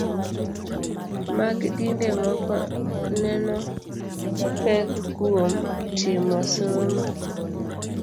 Mag dinde moko neno pek kuom timo somo